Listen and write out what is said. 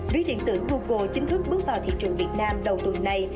ví điện tử google chính thức bước vào thị trường việt nam đầu tuần này